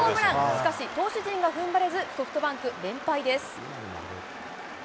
しかし、投手陣がふんばれず、ソフトバンク、連敗です。